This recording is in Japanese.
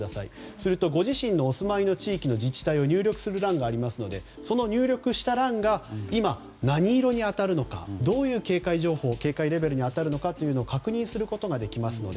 するとご自身のお住まいの地域の自治体をご記入する欄がありますのでその入力した欄が今、何色に当たるのかどういう警戒情報警戒レベルに当たるのかを確認できます。